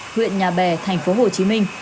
huyện nhà bè tp hcm